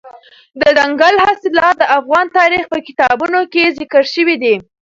دځنګل حاصلات د افغان تاریخ په کتابونو کې ذکر شوي دي.